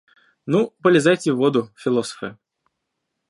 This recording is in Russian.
Ну, полезайте в воду, философы.